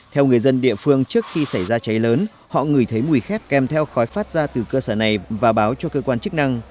theo người dân địa phương trước khi xảy ra cháy lớn họ ngửi thấy mùi khét kèm theo khói phát ra từ cơ sở này và báo cho cơ quan chức năng